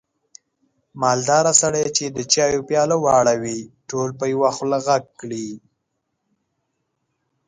مالداره سړی چې د چایو پیاله واړوي، ټول په یوه خوله غږ کړي.